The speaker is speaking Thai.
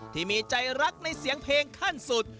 ที่มีใจรักในเสียงเพลงขั้นสุด